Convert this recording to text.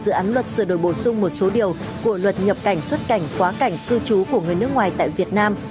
dự án luật sửa đổi bổ sung một số điều của luật nhập cảnh xuất cảnh quá cảnh cư trú của người nước ngoài tại việt nam